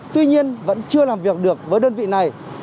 tuy nhiên vẫn chưa làm việc được với đơn vị này